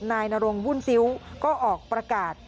นายนรงวุ่นซิ้วก็ออกประกาศ